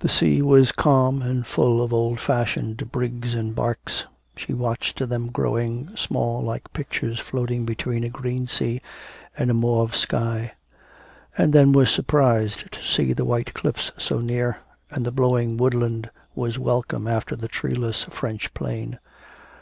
The sea was calm and full of old fashioned brigs and barques. She watched them growing small like pictures floating between a green sea and a mauve sky; and then was surprised to see the white cliffs so near; and the blowing woodland was welcome after the treeless French plain.